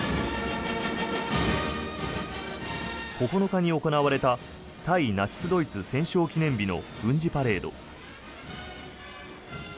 ９日に行われた対ナチス・ドイツ戦勝記念日の軍事パレード。